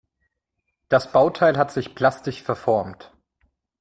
Das Bauteil hat sich plastisch verformt.